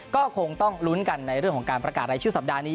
ก็คงต้องลุ้นกันในเรื่องของการประกาศรายชื่อสัปดาห์นี้